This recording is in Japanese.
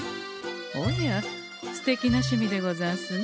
おやすてきな趣味でござんすね。